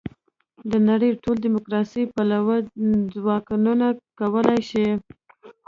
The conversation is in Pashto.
د نړۍ ټول دیموکراسي پلوه ځواکونه کولای شي.